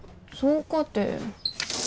そうかて。